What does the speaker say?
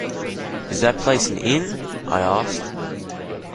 “Is that place an inn?” I asked.